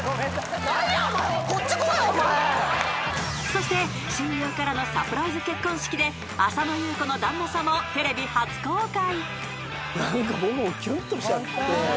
［そして親友からのサプライズ結婚式で浅野ゆう子の旦那さまをテレビ初公開］